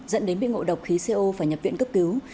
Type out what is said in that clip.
dẫn đến bị ngộ độc khí co và nhập viện cấp cứu